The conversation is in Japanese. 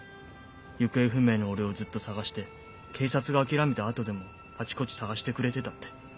行方不明の俺をずっと捜して警察が諦めた後でもあちこち捜してくれてたって。